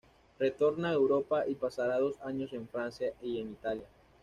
Retorna a Europa y pasará dos años en Francia y en Italia.